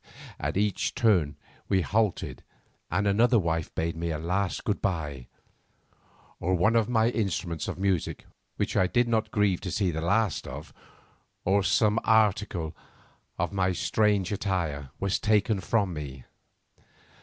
At each turn we halted and another wife bade me a last good bye, or one of my instruments of music, which I did not grieve to see the last of, or some article of my strange attire, was taken from me.